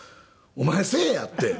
「お前せえや」って。